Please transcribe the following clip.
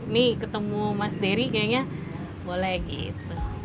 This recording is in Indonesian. nih ketemu mas dery kayaknya boleh gitu